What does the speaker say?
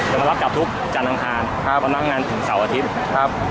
มารับกลับทุกจันทร์อังคารครับพนักงานถึงเสาร์อาทิตย์ครับ